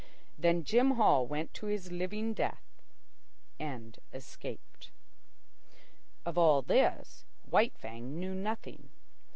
Then Jim Hall went to his living death ... and escaped. Of all this White Fang knew nothing.